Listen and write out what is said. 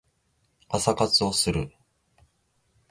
朝活をする